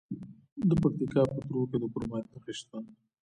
د پکتیکا په تروو کې د کرومایټ نښې شته.